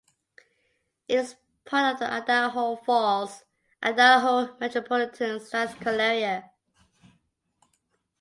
It is part of the Idaho Falls, Idaho Metropolitan Statistical Area.